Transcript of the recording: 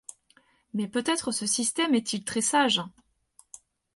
Mais peut-être ce système est-il très-sage.